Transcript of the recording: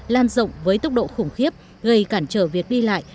lan rộng với tốc độ khủng khiếp gây cản trở việc đi lại